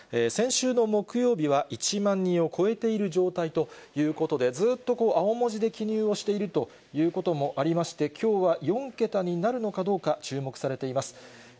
先週の木曜日は１万人を超えている状態ということで、ずっと青文字で記入をしているということもありまして、きょうは４桁になるのかどうか、注目されています。